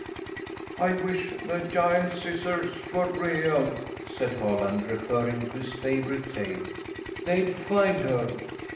" I wish the Giant Scissors were real," said Hol land, referring to his favourite tale. "They'd find her.